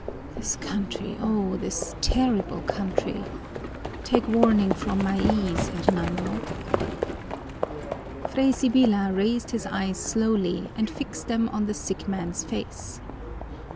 This country, O this terrible country! Take warning from my ease, Hernando!" Fray Sibyla raised his eyes slowly and fixed them on the sick man's face.